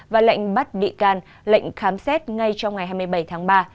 và lệnh bắt bị can lệnh khám xét ngay trong ngày hai mươi bảy tháng ba